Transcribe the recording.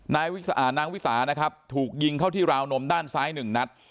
นายวิสาอ่านางวิสานะครับถูกยิงเข้าที่ราวนมด้านซ้ายหนึ่งนัด